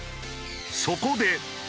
そこで。